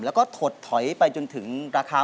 เพื่อจะไปชิงรางวัลเงินล้าน